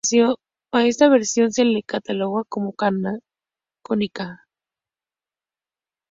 A esta versión se le cataloga como canónica.